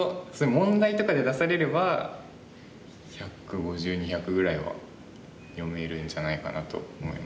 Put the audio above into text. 問題とかで出されれば１５０２００ぐらいは読めるんじゃないかなと思います。